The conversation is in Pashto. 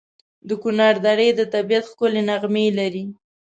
د کنړ درې د طبیعت ښکلي نغمې لري.